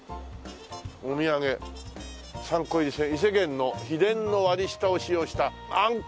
お土産３個入いせ源の秘伝の割り下を使用したあんこうの鮟まん。